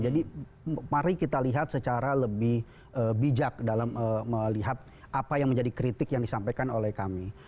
jadi mari kita lihat secara lebih bijak dalam melihat apa yang menjadi kritik yang disampaikan oleh kami